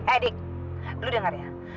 edik lu dengar ya